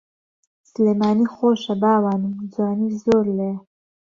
سلێمانی خۆشە باوانم جوانی زۆر لێیە